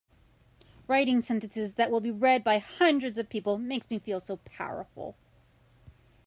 Writing sentences that will be read by hundreds of people makes me feel so powerful!